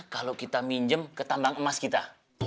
kalau kita minjem ke tambang emas kita